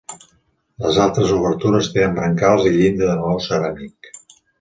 Les altres obertures tenen brancals i llinda de maó ceràmic.